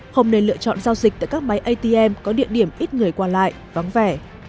không nên lựa chọn giao dịch tại các máy atm có địa điểm ít người qua lại vắng vẻ